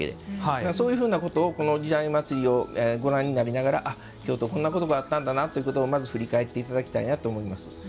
そういうふうなことを「時代祭」をご覧になりながら京都、こんなことがあったんだなと振り返っていただきたいと思います。